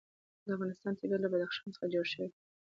د افغانستان طبیعت له بدخشان څخه جوړ شوی دی.